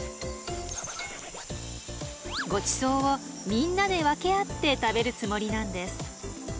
ごちそうをみんなで分け合って食べるつもりなんです。